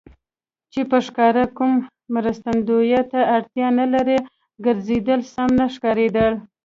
چې په ښکاره کوم مرستندویه ته اړتیا نه لري، ګرځېدل سم نه ښکارېدل.